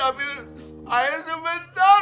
ambil air sebentar